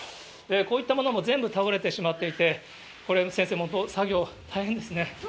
こういったものも全部倒れてしまっていて、これ、そうですね。